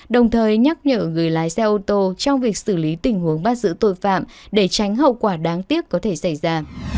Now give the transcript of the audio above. đồng thời nhắc nhở người lái xe ô tô trong việc xử lý tình huống bắt giữ tội phạm để tránh hậu quả đáng tiếc có thể xảy ra